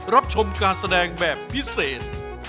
รับชมการแสดงแบบพิเศษ